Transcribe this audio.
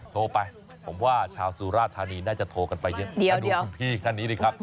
โทรไปผมว่าชาวสุราธานีน่าจะโทรกันไปเยอะถ้าดูคุณพี่ท่านนี้ดีครับ